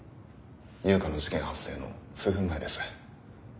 悠香の事件発生の数分前です。